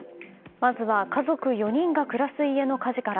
まずは家族４人が暮らす家の火事から。